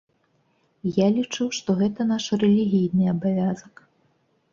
Я лічу, што гэта наш рэлігійны абавязак.